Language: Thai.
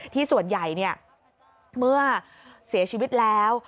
ส่วนใหญ่เมื่อเสียชีวิตแล้ว